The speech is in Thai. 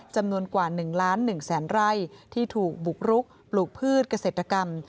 จำนวนกว่า๑ล้าน๑แสนไร่ที่ถูกบุกรุกปลูกพืชเกษตรกรรม